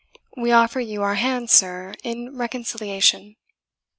We offer you our hand, sir, in reconciliation."